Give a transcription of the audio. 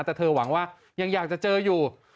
แต่เธอหวังว่ายังอยากจะเจออยู่